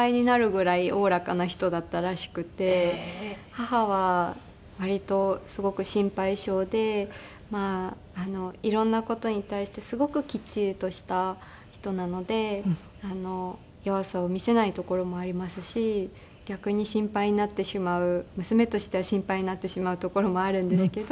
母は割とすごく心配性でまあ色んな事に対してすごくきっちりとした人なので弱さを見せないところもありますし逆に心配になってしまう娘としては心配になってしまうところもあるんですけど。